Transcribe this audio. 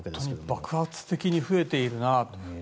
爆発的に増えているなと。